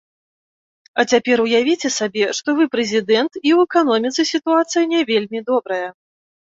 А цяпер уявіце сабе, што вы прэзідэнт і ў эканоміцы сітуацыя не вельмі добрая.